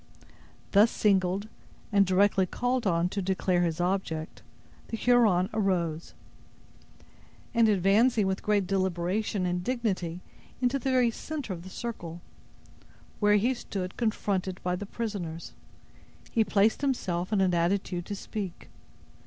Thus singled, and directly called on to declare his object, the Huron arose; and advancing with great deliberation and dignity into the very center of the circle, where he stood confronted by the prisoners, he placed himself in an attitude to speak.